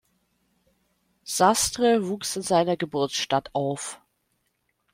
Sastre wuchs in seiner Geburtsstadt auf.